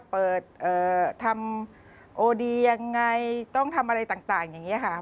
เปิดทำโอดียังไงต้องทำอะไรต่างอย่างนี้ค่ะ